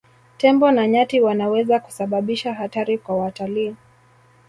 Tembo na nyati wanaweza kusababisha hatari kwa watalii